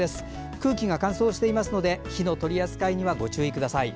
空気が乾燥していますので火の取り扱いにはお気をつけください。